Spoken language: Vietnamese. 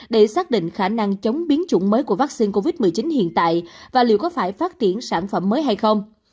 để xác định khả năng chống biến chủng mới của vaccine covid một mươi chín hiện tại và liệu có phải phát triển sản phẩm mới hay không